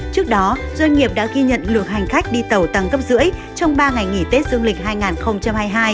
trước đó doanh nghiệp đã ghi nhận lượng hành khách đi tàu tăng gấp rưỡi trong ba ngày nghỉ tết dương lịch hai nghìn hai mươi hai